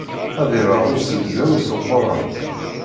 Ad iṛeɣ uzegzaw s uquṛan.